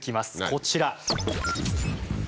こちら。